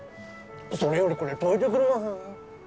それよりこれ解いてくれません？